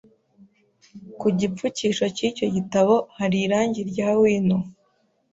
Ku gipfukisho cy'icyo gitabo hari irangi rya wino.